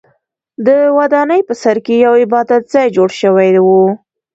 د ودانۍ په سر کې یو عبادت ځای جوړ شوی و.